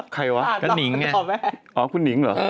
ใครวะก็นิ้งไงอ๋อคุณนิ้งเหรอ